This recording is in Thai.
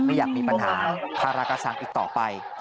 ไม่อยากมีปัญหาภารกสังอีกต่อไป